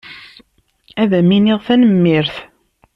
Ad am-iniɣ tanemmirt.